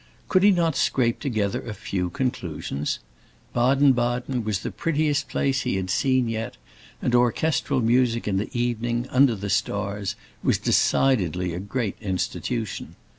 Could he not scrape together a few conclusions? Baden Baden was the prettiest place he had seen yet, and orchestral music in the evening, under the stars, was decidedly a great institution.